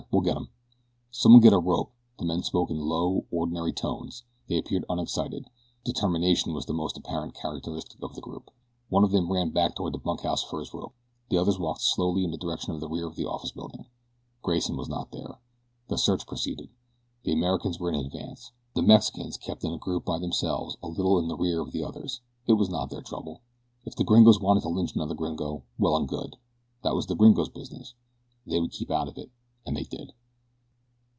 "We'll get him." "Someone get a rope." The men spoke in low, ordinary tones they appeared unexcited. Determination was the most apparent characteristic of the group. One of them ran back toward the bunkhouse for his rope. The others walked slowly in the direction of the rear of the office building. Grayson was not there. The search proceeded. The Americans were in advance. The Mexicans kept in a group by themselves a little in rear of the others it was not their trouble. If the gringos wanted to lynch another gringo, well and good that was the gringos' business. They would keep out of it, and they did.